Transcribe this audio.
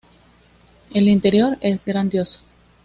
El interior es grandioso.